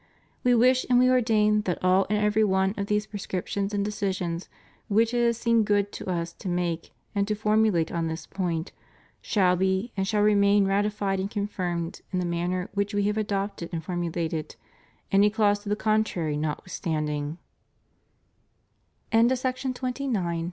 We wish and We ordain that all and every one of these prescriptions and decisions which it has seemed good to Us to make and to formulate on this point shall be and shall remain ratified and confirmed in the manner which We have adopted and formulated, any clause to the contrary not